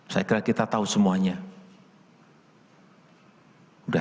saya kira kita tahu semuanya